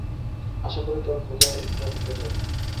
আশা করি তোর ভোদায় এটা ঢুকে যাবে।